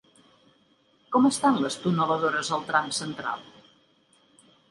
Com estan les tuneladores al tram central?